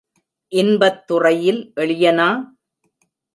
இன்பத் துறையில் எளியனா?